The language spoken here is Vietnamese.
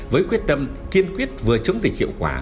với quyết tâm kiên quyết vừa chống dịch hiệu quả